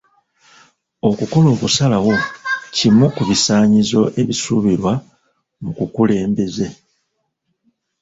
Okukola okusalawo kimu ku bisaanyizo ebisuubirwa mu mukulembeze.